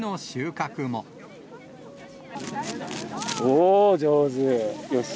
おー、上手。